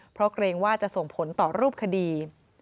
เพราะเกรงว่าจะส่งผลต่อรูปคดี